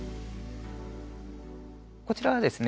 こちらはですね